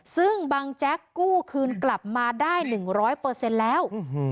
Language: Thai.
ซึ่งบังแจ๊กกู้คืนกลับมาได้๑๐๐แล้ว